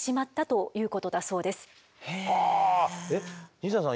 西田さん